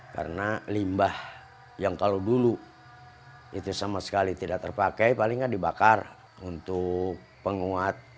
karena limbah yang kalau dulu itu sama sekali tidak terpakai paling tidak dibakar untuk penguat